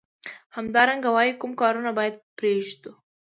همدارنګه وايي کوم کارونه باید پریږدو.